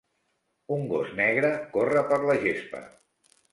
Un gos negre corre per la gespa.